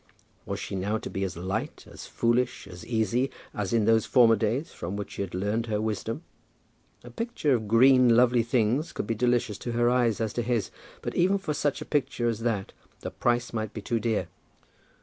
Was she now to be as light, as foolish, as easy, as in those former days from which she had learned her wisdom? A picture of green lovely things could be delicious to her eyes as to his; but even for such a picture as that the price might be too dear!